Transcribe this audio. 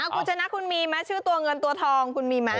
คุณชนะคุณมีไหมชื่อตัวเงินตัวทองคุณมีไหม